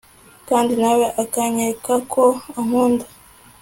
kandi nawe akanyereka ko ankunda